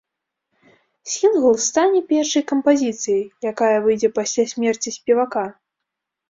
Сінгл стане першай кампазіцыяй, якая выйдзе пасля смерці спевака.